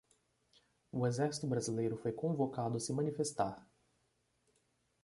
O exército brasileiro foi convocado a se manifestar